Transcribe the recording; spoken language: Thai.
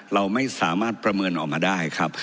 เราไม่สามารถประเมินออกมาได้ครับ